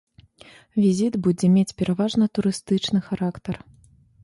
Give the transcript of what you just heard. Візіт будзе мець пераважна турыстычны характар.